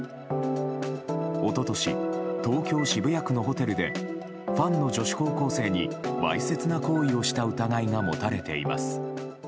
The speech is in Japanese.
一昨年、東京・渋谷区のホテルでファンの女子高校生にわいせつな行為をした疑いが持たれています。